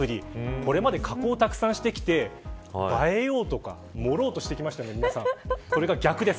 これまで加工をたくさんしてきて映えようとか盛ろうとしてきましたがこれが逆です。